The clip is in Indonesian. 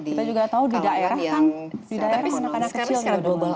ya kita juga tahu di daerah kan di daerah makanan kecilnya